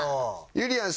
ゆりやん